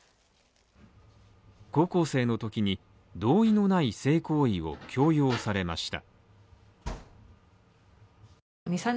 高校生の時に同意のない性行為を強要されました。